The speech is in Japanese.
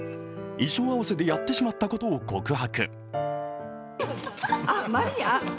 衣装合わせでやってしまったことを告白。